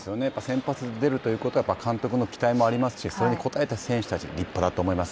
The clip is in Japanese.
先発で出るということは監督の期待もありますしそれに応えた選手たち